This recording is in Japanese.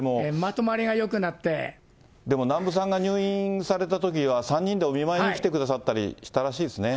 でも、南部さんが入院されたときは、３人でお見舞いに来てくださったりしたらしいですね。